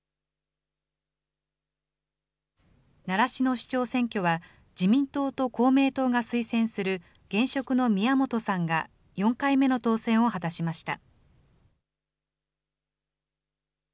習志野市長選挙は、自民党と公明党が推薦する現職の宮本さんが４回目の当選を果たしました。